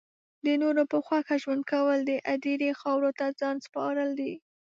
د نورو په خوښه ژوند کول د هدیرې خاورو ته ځان سپارل دی